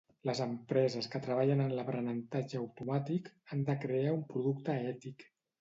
Les empreses que treballen en l'aprenentatge automàtic han de crear un producte ètic.